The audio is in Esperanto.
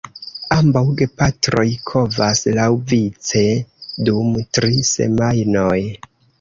Ambaŭ gepatroj kovas laŭvice dum tri semajnoj.